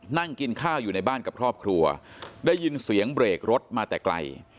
นั่งกินข้าวอยู่ในบ้านกับครอบครัวได้ยินเสียงเบรกรถมาแต่ไกล